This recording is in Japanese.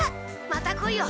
また来いよ！